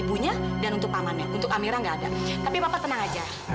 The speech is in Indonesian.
untuk amira enggak ada tapi mama tenang aja